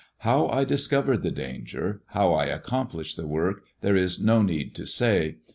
How I discovered the danger, how I iccomplished the work, there is no need to say.